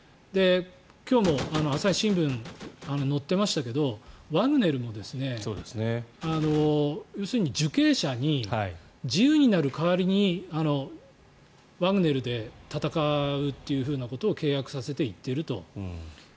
今日の朝日新聞に載ってましたけどワグネルも要するに受刑者に自由になる代わりにワグネルで戦うということを契約させて、行っていると。